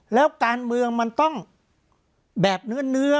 แล้วการเมืองมันต้องแบบเนื้อ